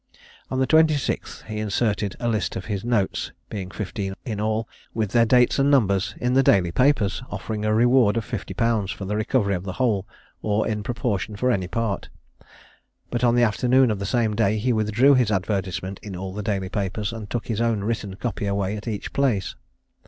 On the 26th he inserted a list of his notes, being fifteen in all, with their dates and numbers, in the daily papers, offering a reward of fifty pounds for the recovery of the whole, or in proportion for any part; but on the afternoon of the same day he withdrew his advertisement in all the daily papers, and took his own written copy away at each place.